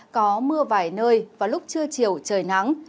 có mưa vài nơi và lúc trưa chiều trời nắng